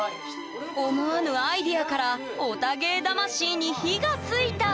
思わぬアイデアからヲタ芸魂に火がついた！